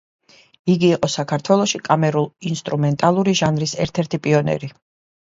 იგი იყო საქართველოში კამერულ-ინსტრუმენტული ჟანრის ერთ-ერთი პიონერი.